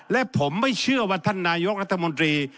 และผมไม่เชื่อว่าท่านนายกรัฐมนตรี